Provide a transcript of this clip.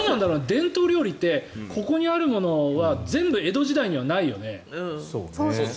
伝統料理ってここにあるものは全部江戸時代にはないよね。